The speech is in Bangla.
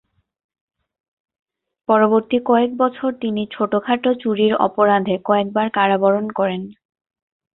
পরবর্তী কয়েক বছর তিনি ছোট-খাটো চুরির অপরাধে কয়েকবার কারাবরণ করেন।